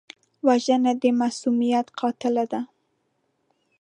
وژنه د معصومیت قاتله ده